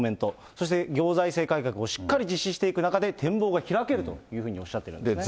そして行財政改革をしっかり実施していく中で、展望が開けるというふうにおっしゃってるんですね。